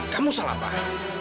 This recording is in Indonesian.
kamu salah pak